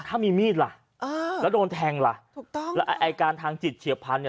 ถ้ามีมีดล่ะแล้วโดนแทงล่ะแล้วอายการทางจิตเฉียบพันธุ์